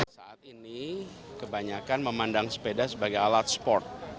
saat ini kebanyakan memandang sepeda sebagai alat sport